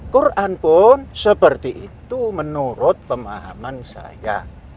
quran pun seperti itu menurut pemahaman saya